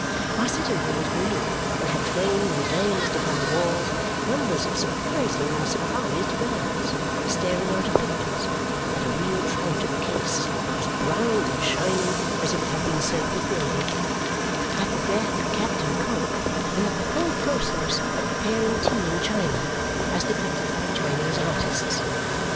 Our sitting room was green and had framed and glazed upon the walls numbers of surprising and surprised birds, staring out of pictures at a real trout in a case, as brown and shining as if it had been served with gravy; at the death of Captain Cook; and at the whole process of preparing tea in China, as depicted by Chinese artists.